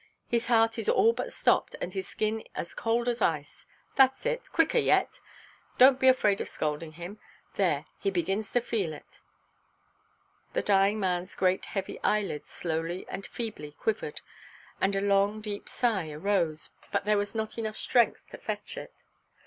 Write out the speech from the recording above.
His heart is all but stopped, and his skin as cold as ice. Thatʼs it; quicker yet! Donʼt be afraid of scalding him. There, he begins to feel it." The dying manʼs great heavy eyelids slowly and feebly quivered, and a long deep sigh arose, but there was not strength to fetch it.